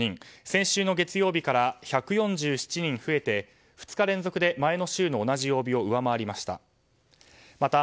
先週の月曜日から１４７人増えて２日連続で前の週の同じ曜日を上回りました。